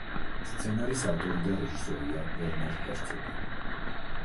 სცენარის ავტორი და რეჟისორია ვერნერ ჰერცოგი.